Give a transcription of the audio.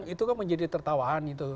itu kan menjadi tertawaan gitu